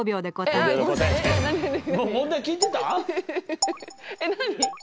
えっ何？